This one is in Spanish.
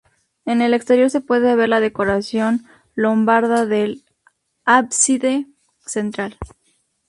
En el exterior se puede ver la decoración lombarda del ábside central.